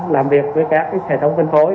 làm việc với các hệ thống phân phối